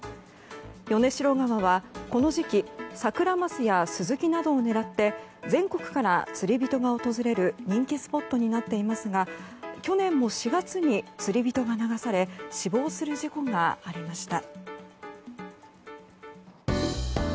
米代川は、この時期サクラマスやスズキなどを狙って全国から釣り人が訪れる人気のスポットになっていますが去年も４月に釣り人が流され死亡する事故がありました。